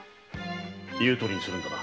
⁉言うとおりにするんだな。